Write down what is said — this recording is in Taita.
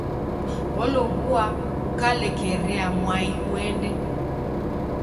Olow'oa ukalekerea mwai uende.